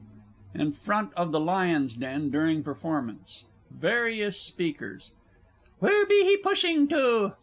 IN FRONT OF THE LIONS' DEN DURING PERFORMANCE. VARIOUS SPEAKERS. Wheer be pushin' to?